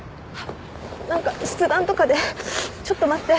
何か筆談とかでちょっと待って。